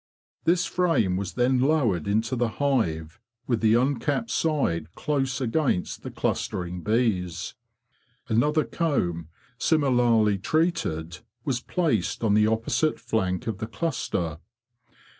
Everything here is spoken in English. This frame was then lowered into the hive with the uncapped side close against the clustering bees. Another comb, similarly treated, was placed on the opposite flank of the cluster.